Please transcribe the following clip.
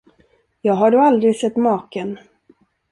Jag har då aldrig sett maken!